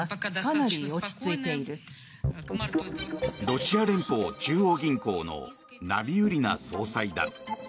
ロシア連邦中央銀行のナビウリナ総裁だ。